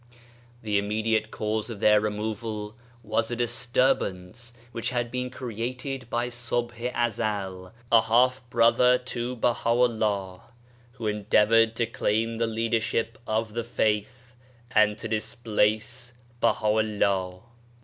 The immediate cause of their removal was a disturbance which had been created by Subh i Ezel, a half brother to Baha'u'llah, who endeavoured to claim the leadership of the faith, and to displace Baha'u'llah.